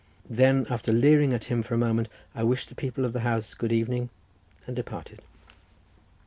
Then after leering at him for a moment, I wished the people of the house good evening, and departed.